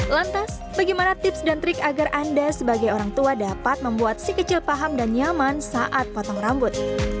lantas bagaimana tips dan trik agar anda sebagai orang tua dapat membuat si kecil paham dan nyaman saat potong rambut